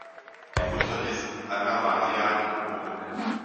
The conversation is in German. Die Mutter hieß Anna Maria geb.